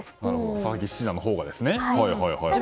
佐々木七段のほうがですね。